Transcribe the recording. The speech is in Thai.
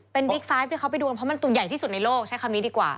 เป็นบิ๊กไฟฟ์ที่เขาไปดูกันเพราะมันตัวใหญ่ที่สุดในโลกใช้คำนี้ดีกว่า